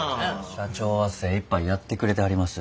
社長は精いっぱいやってくれてはります。